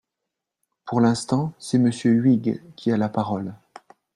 Pour l’instant, c’est Monsieur Huyghe qui a la parole.